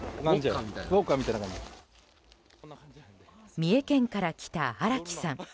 三重県から来た荒木さん。